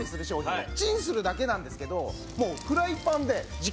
チンするだけなんですけどもう。